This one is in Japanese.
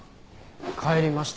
帰りました。